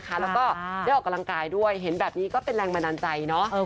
แล้วก็ได้ออกกำลังกายด้วยเห็นแบบนี้ก็เป็นแรงบันดาลใจเนอะ